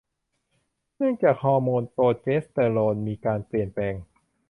เนื่องจากฮอร์โมนโปรเจสเตอโรนมีการเปลี่ยนแปลง